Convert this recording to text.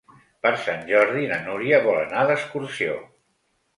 Per Sant Jordi na Núria vol anar d'excursió.